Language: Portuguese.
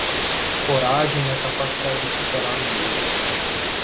Coragem é a capacidade de superar o medo.